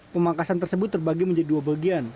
pemangkasan tersebut terbagi menjadi dua bagian